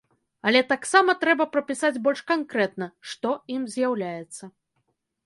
Але таксама трэба прапісаць больш канкрэтна, што ім з'яўляецца.